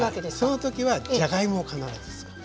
その時はじゃがいもを必ず使う。